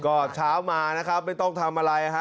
ก็เช้ามานะครับไม่ต้องทำอะไรฮะ